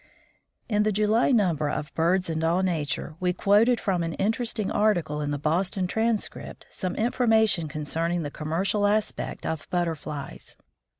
In the July number of BIRDS AND ALL NATURE we quoted from an interesting article in the Boston Transcript some information concerning the commercial aspect of Butterflies.